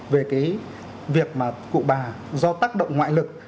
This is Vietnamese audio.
về cái việc mà cụ bà do tác động ngoại lực